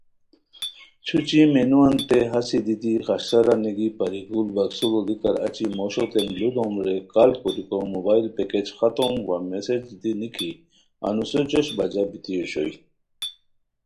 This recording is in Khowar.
چھوچی مینوؤتین ہسی دیتی خشٹاران نیگی ،پری گل بکسو لوڑیکار اچی موشوتین لُودوم رے کال کوریکو موبائلو پیکچ ختم وا میسیچ دی نکی، انوسو جوش بجہ بیتی اوشوئے